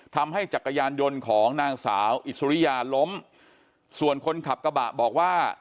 จักรยานยนต์ของนางสาวอิสริยาล้มส่วนคนขับกระบะบอกว่า